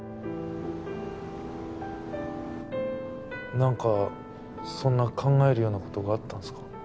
何かそんな考えるようなことがあったんすか？